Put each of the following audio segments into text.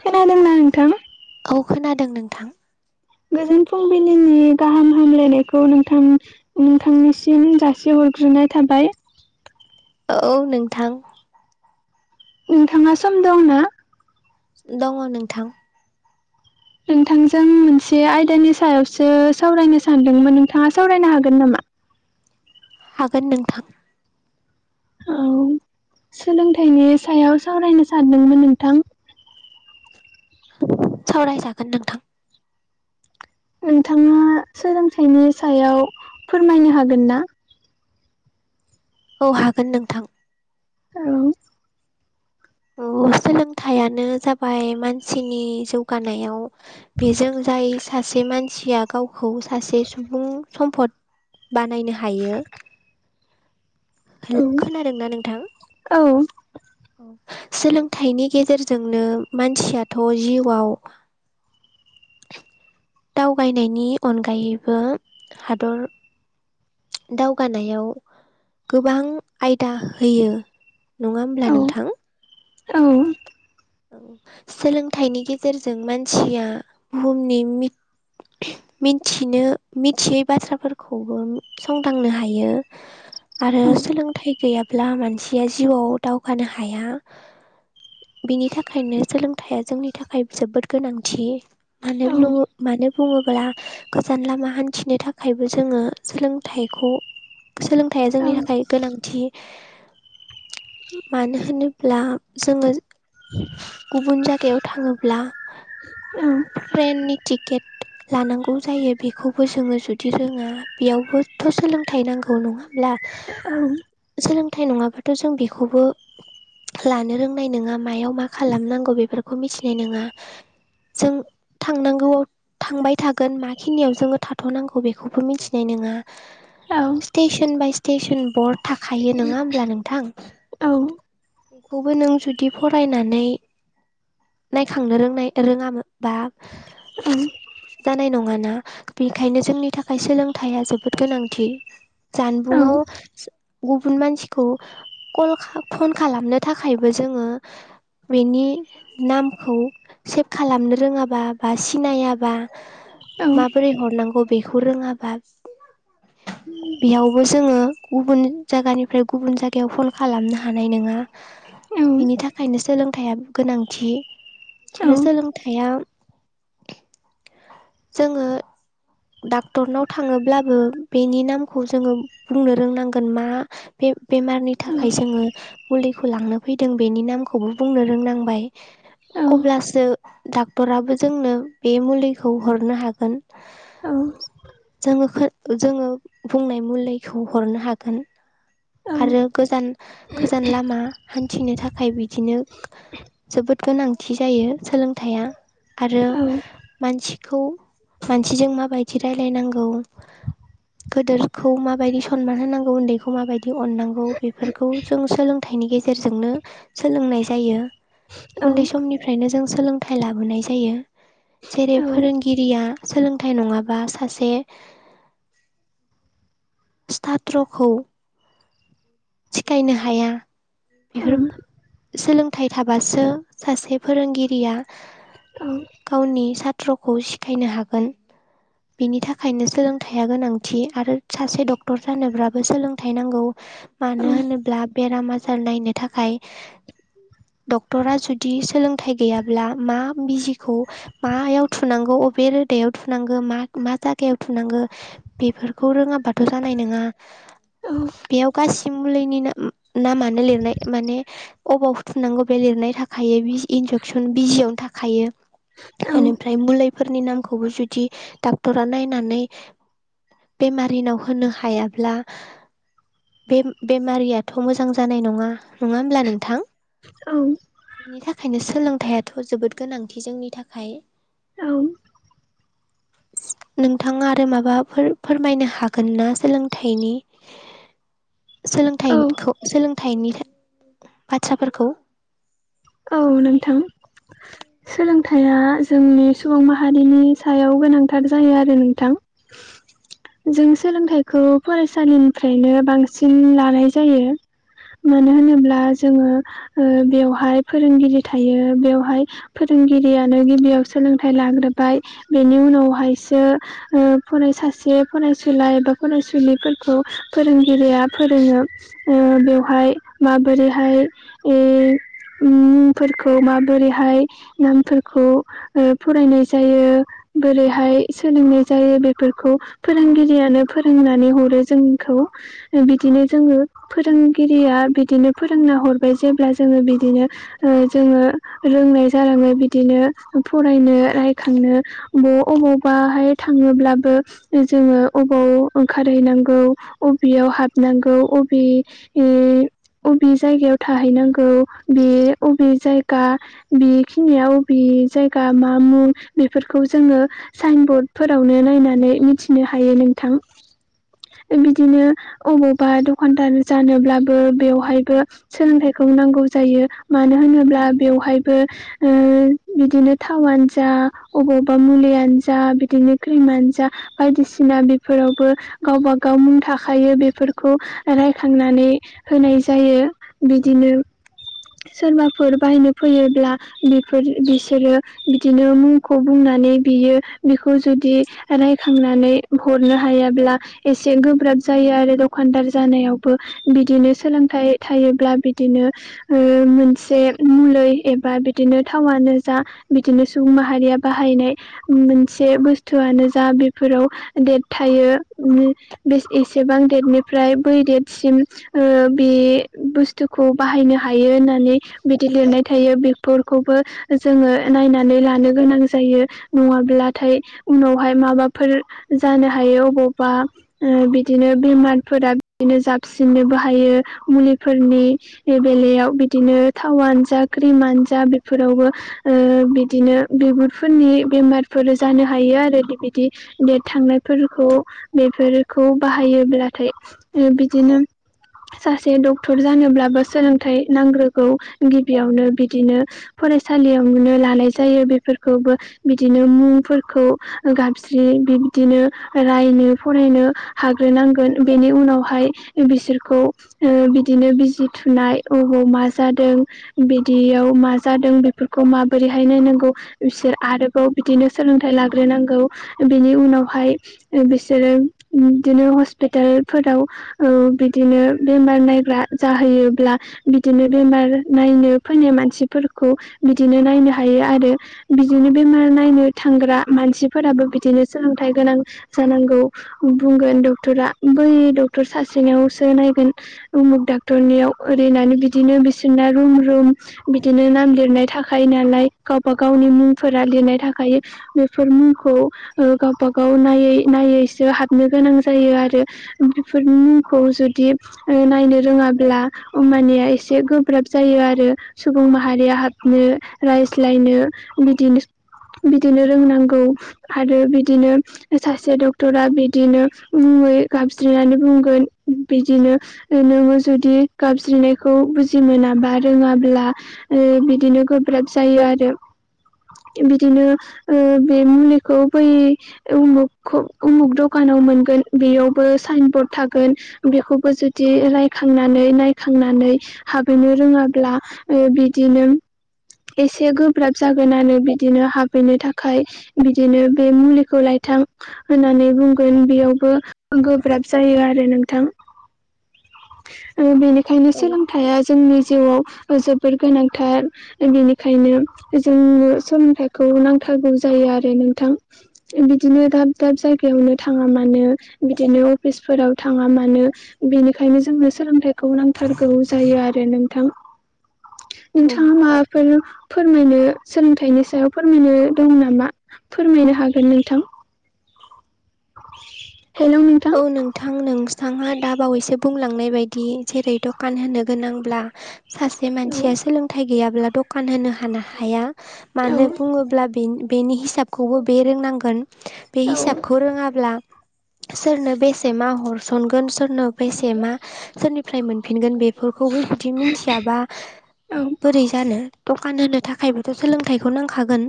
खोनादोंना नोंथां। औ खोनादों नोंथां। गोजोन फुंबिलिनि गाहाम हामलायनायखौ नोंथां नोंथांनिसिम जासिहरग्रो नाय थाबाय। औ नोंथां। नोंथाङा सम दं ना। दङ नोंथां। नोंथांजों मोनसे आयदानि सायावसो सावरायनो सानदोंमोन नोंथाङा सावरायनो हागोन नामा। हागोन नोंथां। औ सोलोंथाइनि सायाव सावरायनो सानदोंमोन नोंथां। सावरायजागोन नोंथां। नोंथाङा सोलोंथाइनि सायाव फोरमायनो हागोन ना। औ हागोन नोंथां औ औ सोलोंथायाइयानो जाबाय मानसिनि जौगानायाव बेजों जाय सासे मानसिया गावखौ सासे सुबुं सम्फद बानायनो हायो औ खोनादोंना नोंथां औ औ सोलोंथाइनि गेजेरजोंनो मानसियाथ' जिउआव दावबायनायनि अनगायैबो हादर दावगानायाव गोबां आयदा होयो नङा औ होमब्ला नोंथां औ सोलोंथाइनि गेजेरजों मानसिया बुहुमनि मिथिनो मिथियै बाथ्राफोरखौबो संदांनो हायो आरो औ सोलोंथाइ गैयाब्ला मानसिया जिउआव दावगानो हाया बिनि थाखायनो सोलोंथाइया जोंनि थाखाय जोबोद गोनांथि मानो [unintelligible] मानो बुङो गोजान लामा हान्थिनो थाखायबो जोङो सोलोंथाइखौ सोलोंथाइया औ जोंनि थाखाय गोनांथि मानो होनोब्ला जोङो गुबुन जायगायाव थाङोब्ला ट्रेननि टिकेट लानांगौ जायो बेखौबो जोङो जुदि रोङा बेयावबोथ' सोलोंथाइ नांगौ नङाब्ला सोलोंथाइ नङाबाथ' जों बेखौबो लानो रोंनाय नङा मायाव मा खालामनांगौ बेफोरखौ मिथिनाय नङा जों थांनांगौआव थांबाय थागोन माखिनियाव जोङो थाथ'नांगौ बेखौबो मिथिनाय नङा औ स्टेशन बाय स्टेसन बर् थाखायो नङा होमब्ला नोंथां बेखौबो नों जुदि फरायनानै नायखांनो रोंनाय रोङामोन बा उ [inaudible] जानाय नङाना बेनिखायनो जोंनि थाखाय सोलोंथाइया जोबोद गोनांथि जानबुं आव औ गुबुन मानसिखौल फन खालामनो थाखायबो जों [inaudible] बेनि नामखौ सेभ खालामनो रोङाबा बा सिनायाबा औ माबोरै हरनांगौ बेखौ रोङाबा [inaudible] बेयावबो जोङो गुबुन जायगानिफ्राय गुबुन जायगायाव फन खालामनो हानाय नङा बिनि थाखायनो सोलोंथाइया गोनांथि आरो सोलोंथाइया जोङो डक्टरनाव थाङोब्लाबो बेनि नामखौ जोङो बुंनो रोंनांगोन मा बे बेमारनि थाखाय जोङो मुलिखौ लांनो फैदों बेनि नामखौबो बुंनो रोंनांबाय अब्लासो डक्टराबो जोंनो बे मुलिखौ हरनो हागोन औ जोङो जोङो बुंनाय मुलिखौ हरनो हागोन आरो गोजान गोजान लामा हान्थिनो थाखाय बिदिनो जोबोद गोनांथि जायो सोलोंथाइया आरो मानसि खौ मानसिजों माबायदि रायलायनांगौ गोदोरखौ माबायदि सनमान होनांगौ उन्दैखौ माबायदि बिदि [unintelligible] अननांगौ बेफोरखौ जों सोलोंथाइनि गेजेरजोंनो सोलोंनाय जायो उन्दै समनिफ्रायनो जों सोलोंथाइ लाबोनाय जायो जेरै फोरोंगिरिया सोलोंथाइ नङाबा सासे [inaudible] स्टात्र'खौ सिखायनो हाया बेफोर सोलोंथाइ थाबासो सासे फोरोंगिरिया गावनि सात्र'खौ सिखायनो हागोन बिनि थाखायनो सोलोंथाइया गोनांथि आरो सासे डक्टर जानोबाबो सोलोंथाइ नांगौ। मानो होनोब्ला बेराम आजार नायनो थाखाय। डक्टरा जुदि सोलोंथाइ गैयाब्ला मा बिजिखौ मायाव थुनांगौ। बबे रोदायाव थुनांगौ मा मा जायागायाव थुनांगौ बेफोरखौ रोङाब बाथ' जानाय नङा। बेयाव गासै मुलिनि नाम नामानो लिरनाय माने अबाव फुथुनांगौ बे लिरनाय थाखाय बिस इनजेक्सन बिजिआवनो थाखायो इनिफ्राय मुलै फोरनि नामखौबो जुदि डक्टरा नायनानै बेमारिनाव होनो हायाब्ला बे बेमारियाथ' मोजां जानाय नङा नङा होमब्ला नोंथां। बिनि थाखायनो सोलों थाइआथ' जोबोद गोनांथि जोंनि थाखाय। [inaudible] नोंथाङा आरो माबाफोर फोरमायनो हागोन ना सोलोंथाइनि। औ सोलोंथाइनिखौ सोलोंथाइनि बाथ्राफोरखौ। औ नोंथां। सोलोंथाइया जोंनि सुबुं माहारिनि सायाव गोनांथार जायो आरो नोंथां। [inaudible] जों सोलोंथाइखौ फरायसालिनिफ्रायनो बांसिन लानाय जायो। मानो होनोब्ला जोङो बेवहाय फोरोंगिरि थायो बेयावहाय फोरोंगिरियानो गिबियाव सोलोंथाइ लाग्रोबाय बेनि उनाव नावहायसो ओ फराय सासे फरायसुला एबा फरायसुलिफोरखौ फोरोंगिरि गिरिया फोरोङो ओ बेवहाय माबोरैहाय ओइ ओम। फोरखौ माबोरैहाय नामफोरखौ फरायनाय जायो बोरैहाय आय सोलोंनाय जायो बेफोरखौ फोरोंगिरियानो फोरोंनानै हरो जोंखौ ओ बिदिनो जोङो फोरोंगिरिया बिदिनो फोरोंना हरबाय जेब्ला जोङो बिदिनो ओ जोङो रोंनाय जालाङो बिदिनो फरायनो रायखांनो अबावबाहाय थाङोब्लाबो ओ जोङो अबाव ओंखारहैनांगौ अबेया याव हाबनांगौ अबेए अबे जायगायाव थाहैनांगौ। बे अबे जायगा बेखिनिया अबे जायगा मा मुं बेफोरखौ। जोङो साइन बरर्ड फोरावनो नायनानै मिथिनो हायो नोंथां। बिदिनो अबावबा दखानदार जानोब्लाबो बेवहायबो सोलोंथाइख सोंनांगौ। मानो होनोब बेवहायबो बिदिनो ओ बिदिनो थावानो जा अबाव बावबा मुलियानो जा बिदिनो क्रिमानो जा बायदिसिना बेफोरावबो गावबा गाव नि थाखायो बेफोरखौ रायखांनानै होनाय जायो बिदिनो [inaudible] सोरबाफोर बाहायनो फैयोब्ला बेफोर बिसोरो बिदिनो मुंखौ बुंनानै बियो बेखौ जुदि रायखांनानै हरनो हायाब्ला एसे गोब्राब जायो। जायो आरो दखानदार जानायावबो बिदिनो सोलोंथाइ थायोब्ला बिदिनो। ओ मोनसे मुलै एबा बिदिनो थावानो जा बिदिनो सुबुं माहारिया बाहायनाय मोनसे बुस्थुआनो जा बेफोराव देट थायो बेस एसेबां देटनिफ्राय बै देटसिम ओ बे बुस्थुखौ बाहायनो हायो होननानै बिदि लिरनाय थायो बे फोरखौबो जोङो नायनानै लानो गोनां जायो नङाब्लाथाय उनावहाय माबाफोर जानो हायो अबावबा बिदिनो बेमारफोरा बिदिनो जाबसिन नो बाहायो मुलिफोरनि बे बेलायाव बिदिनो थावानो जा क्रिमानो जा बेफोरावबो ओ बिदिनो बिगुरफोरनि बेमारफोर जानो हायो आरो बिदि देत थांनायफोरखौ बेफो [unintelligible] खौ बाहायोब्लाथाय ओ बिदिनो सासे डक्थ'र जानोब्लाबो सोलोंथाइ नांग्रोगौ गिबियावनो बिदिनो फरायसालियाव नो लानाय जायो बे फोरखौबो बिदिनो मुंफोरखौ गाबज्रि बिबदिनो रायनो फराय नो हाग्रोनांगोन बिनि उनावहाय बिसोरखौ ओ बिदिनो बिजि थुनाय अबाव मा जादों बिदियाव मा जादों बेफोरखौ माबोरैहाय नायनांगौ बिसोर आरोबाव बिदिनो सोलोंथाइ लाग्रोनांगौ बिनि उनावहाय बिसोरो [unintelligible] बिदिनो हस्पिटालफोराव ओ बिदिनो बेमार नायग्रा जा हायोब्ला बिदिनो बेमार नायनो फैनाय मानसिफोरखौ बिदिनो नायनो हायो आर दे बिदिनो बेमार नायनो थांग्रा मानसिफोराबो बिदिनो सोलोंथाइ गोनां जानांगौ औ बुंगोन डक्टरा बै डक्टर सासेनावसो नायगोन उमुक डा टरनियाव ओरैनानै बिदिनो बिसोरना रुम रुम बिदिनो नाम लिरनाय थाखायो नालाय गावबा गावनि मुंफोरा लिरनाय थाखाय बेफोर मुंखौ ओ गावबा गाव नायै नाय यैसो हाबनो गोनां जायो आरो बेफोरनि मुंखौ जुदि ओ नायनो रोङा ब्ला अमानिया एसे गोब्राब जायो आरो सुबुं माहारिया हाबनो रायज्लाय नो बिदिनो- बिदिनो रोंनांगौ आरो बिदिनो सासे डक्टरा बिदिनो मुङै गाबसज्रिनानै बुंगोन बिदिनो नोङो जुदि गाबज्रिनायखौ बुजि मोनाबा रोङाब्ला ओ बिदिनो गोब्राब जायो आरो बिदिनो ओ बे मुलिखौ बै उमुखौ उमुक दखाना [unintelligible] मोनगोन बेयावबो सायेनबर्ट थागोन बेखौबो जुदि राय खांनानै नायखांनानै हाबहैनो रोङाब्ला ओ बिदिनो एसे गोब्राब जागोनानो बिदिनो हाबहैनो थाखाय बिदिनो बे मुलिखौ लाय थां होननानै बुंगोन बेयावबो गोब्राब जायो आरो नोंथां। ओ बेनिखायनो औ सोलोंथाइया जोंनि जिउआव जोबोर गोनांथार बेनिखायनो जोंनो सोलोंथाइखौ नांथारगौ जा जायो आरो नोंथां बिदिनो दाब दाब जाय गायावनो थाङा मानो बिदिनो अफिसफोराव थाङा मानो बिनिखायनो जोंनो सोलोंथाइखौ नांथारगौ जायो आरो नोंथां नोंथाङा माबाफोर फोरमायनो सोलोंथाइनि सायाव फोरमायनो दं नामा फोरमायनो हागोन नोंथां [unintelligible] औ नोंथां नोंस थाङा दा बावैसो बुंलांनाय बायदि जेरै दकान होनो गोनांब्ला सासे औ मानसिया सोलोंथाइ गैयाब्ला दकान होनो हाना हाया। औ मानो बुङोब्ला बेन- बेनि हिसाबखौबो बे रोंनांगोन। बे हिसाबखौ रोङाब्ला सोरनो बेसे मा हरसनगोन सोरनो बेसे मा सोरनिफ्राय मोनफिनगोन बे फोरखौबो बिदि मिनथियाबा औ बोरै जानो। [unintelligible] कान होनो थाखायबोथ' सोलोंथाइखौ नांखागोन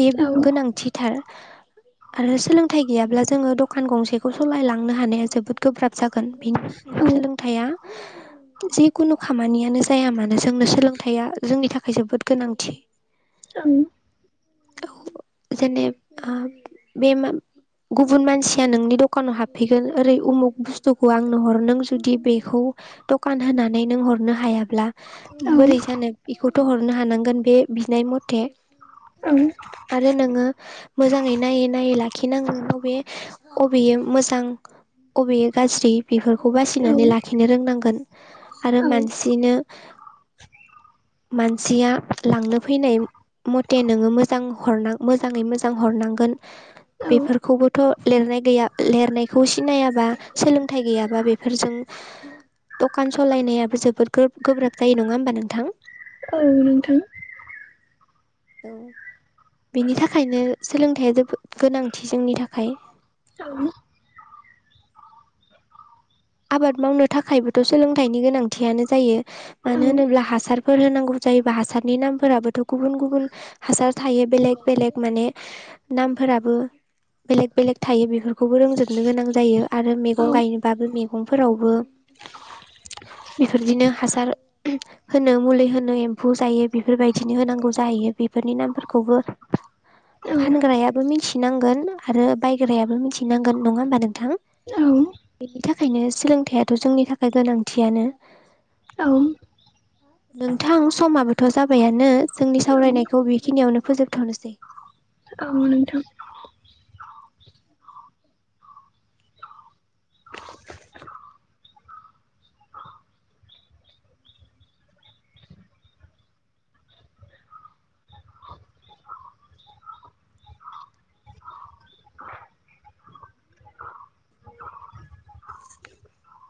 बे गोनांथिथार आरो सोलोंथाइ गैयाब्ला जोङो दखान गंसेखौ सालायलांनो हानाया जोबोद गोब्राब जाग गोन बेनि औ [unintelligible] सोलोंथाइया [unintelligible] जिखुनु खामानियानो जाया मानो जोंनो सोलोंथायाइया जोंनि थाखाय जोबोद गोनांथि। ओं औ जेने ओ बे मा गुबुन मानसि या नोंनि दकानाव हाबफैगोन ओरै उमुक बुस्थुखौ आंनो हर नों जुदि बेखौ दकान होन नानै नों हरनो हाया ब्ला बोरै जानो इखौथ' हरनो हानांगोन बे बिनाय मथे आरो नोङो मोजाङै नायै नायै लाखिनांगौ बे अबेयो मोजां अबेयो गाज्रि बेफोरखौ औ बासिनानै लाखिनो रोंनांगोन। आरो औ मानसिनो मानसिया लांनो फैनाय मथे नोङो मोजां हरना मोजाङै मोजां हरनांगोन औ बेफोरखौबोथ' लिरनाय गैया लिरनायखौ सिनायाबा सोलोंथाइ गैयाबा बेफोरजों दखान सालायनायाबो जोबोद गोब्राब जायो नङा होमबा नोंथां? औ नोंथां। औ बेनि थाखायनो सोलोंथाइया जोबोद गोनांथि जोंनि थाखाय। औ आबाद मावनो थाखायबोथ' सोलोंथाइनि गोनांथियानो जायो औ मानो होनोब्ला हासार फोर होनांगौ जायोबा हासारनि नामफोराबोथ' गुबुन गुबुन हासार थायो बेलेग बेलेग माने नामफोराबो बेलेक बेलेग थायो बेफोर बेखौबो रोंजोबनो गोनां जायो आरो मैगं गायनोबाबो मैगंफोरावबो [unintelligible] बेफोरदिनो हासार होनो मुलि होनो एम्फौ जायो बेफोरबायदिनो होनांगौ जायो ।बे बेफोरनि नामफोरखौबो औ फानग्रायाबो मिथिनांगोन आरो बायग्रायाबो मिथिनांगोन नङा होमबा नों थां बेनि थाखायनो सोलोंथाइथ' जोंनि थाखाय गोनांथियानो। औ। नोंथां समाबोथ' जाबायानो जोंनि सावरायनायखौ बेखिनियावनो फोजोबथ'नोसै औ नोंथां । [unintelligible] [unintelligible]